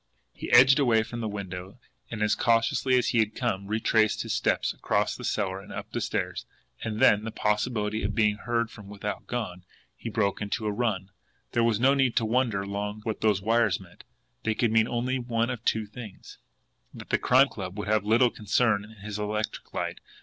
He edged away from the window, and, as cautiously as he had come, retraced his steps across the cellar and up the stairs and then, the possibility of being heard from without gone, he broke into a run. There was no need to wonder long what those wires meant. They could mean only one of two things and the Crime Club would have little concern in his electric light!